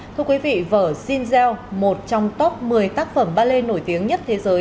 thưa quý vị vở jinzel một trong top một mươi tác phẩm ballet nổi tiếng nhất thế giới